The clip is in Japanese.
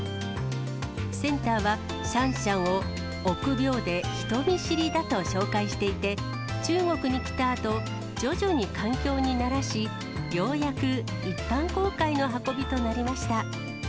センターは、シャンシャンを臆病で人見知りだと紹介していて、中国に来たあと、徐々に環境に慣らし、ようやく一般公開の運びとなりました。